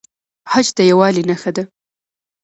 حج د یووالي نښه ده